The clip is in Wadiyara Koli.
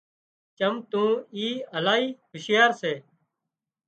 چم تو اِي الاهي هُوشيار سي